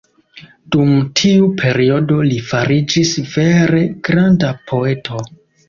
Dum tiu periodo li fariĝis vere granda poeto.